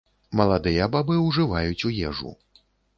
Маладыя бабы ўжываюць у ежу.